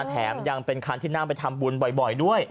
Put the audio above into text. แถมยังเป็นคันที่นั่งไปทำบุญบ่อยด้วย